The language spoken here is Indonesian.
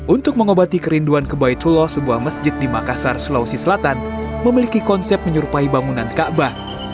untuk mengobati kerinduan kebaitullah sebuah masjid di makassar sulawesi selatan memiliki konsep menyerupai bangunan kaabah